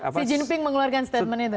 xi jinping mengeluarkan statement itu